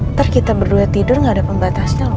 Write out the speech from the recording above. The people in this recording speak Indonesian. ntar kita berdua tidur gak ada pembatasnya